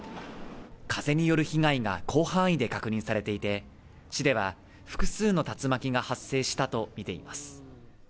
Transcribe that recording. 風による被害が広範囲で確認されていて、市では、複数の竜巻が発生したとみています。